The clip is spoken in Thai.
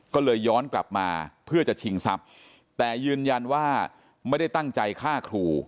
ก็เลยย้อนกลับมาเพื่อจะชิงทรัพย์แต่ยืนยันว่าไม่ได้ตั้งใจฆ่าครู